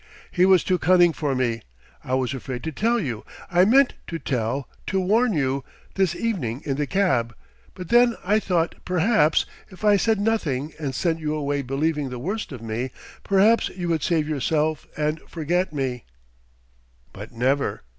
"He was too cunning for me... I was afraid to tell you... I meant to tell to warn you, this evening in the cab. But then I thought perhaps if I said nothing and sent you away believing the worst of me perhaps you would save yourself and forget me " "But never!"